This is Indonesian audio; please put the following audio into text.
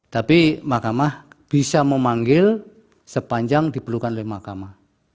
tapi mahkamah bisa memanggil sepanjang diperlukan oleh mahkamah